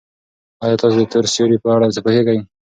ایا تاسي د تور سوري په اړه څه پوهېږئ؟